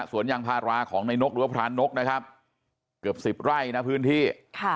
สวนยางพาราของในนกหรือว่าพรานกนะครับเกือบสิบไร่นะพื้นที่ค่ะ